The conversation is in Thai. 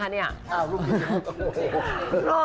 ลูกจริงโอ้โฮ